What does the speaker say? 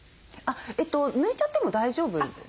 抜いちゃっても大丈夫です。